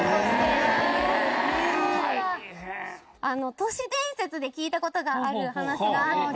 都市伝説で聞いたことがある話があって。